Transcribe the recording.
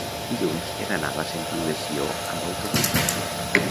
dilluns he d'anar a la Sentiu de Sió amb autobús.